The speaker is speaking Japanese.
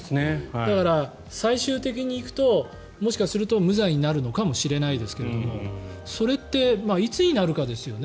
だから、最終的に行くともしかすると無罪になるのかもしれないですがそれっていつになるかですよね。